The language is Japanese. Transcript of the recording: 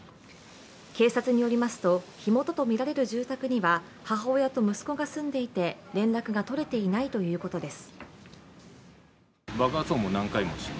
警察によりますと、火元とみられる住宅には母親と息子が住んでいて、連絡が取れていないということです。